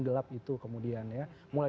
gelap itu kemudian ya mulai